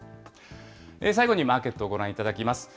最後にマーケットをご覧いただきます。